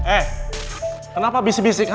eh kenapa bisik bisik